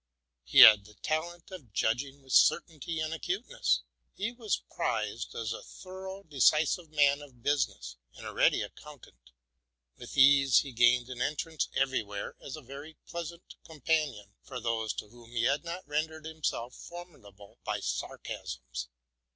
He had the talent of judging with certainty and acuteness. He was prized as a thorough, reso lute man of business, and a ready accountant. With ease he gained an entrance everywhere, as a very pleasant companion for those to whom he had not rendered himself formidable by sarcasms.